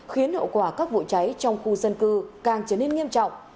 khiến hậu quả các vụ cháy trong khu dân cư càng trở nên nghiêm trọng